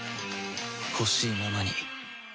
ほしいままに